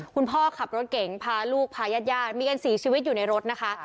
คนขับรถเก๋งพาลูกพายาดมีกัน๔ชีวิตอยู่ในรถนะคะ